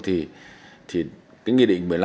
thì cái nghị định một mươi năm